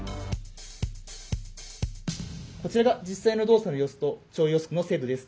こちらが実際の動作の様子と潮位予測の精度です。